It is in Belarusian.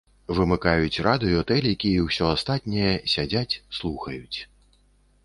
Вымыкаюць радыё, тэлікі і ўсё астатняе, сядзяць слухаюць.